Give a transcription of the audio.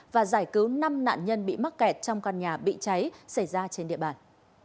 và giải cứu năm nạn nhân bị mắc kẹt trong căn nhà bị cháy xảy ra trên địa bàn